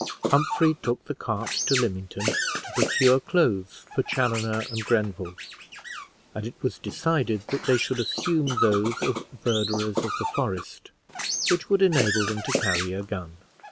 Humphrey took the cart to Lymington, to procure clothes for Chaloner and Grenville, and it was decided that they should assume those of verderers of the forest, which would enable them to carry a gun.